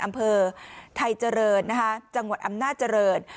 อำเภอไทยเจริญนะคะจังหวัดอำนาจริง